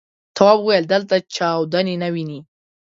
تواب وويل: دلته چاودنې نه وینې.